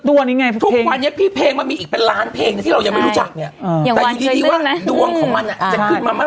ทุกวันนี้พี่เพลงมันมีอีกเป็นล้านเพลงนะที่เรายังไม่รู้จักเนี่ยแต่อยู่ดีดีว่าดวงของมันอ่ะจะขึ้นมาเมื่อ